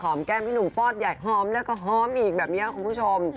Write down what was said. แก้มพี่หนุ่มฟอดใหญ่หอมแล้วก็หอมอีกแบบนี้คุณผู้ชม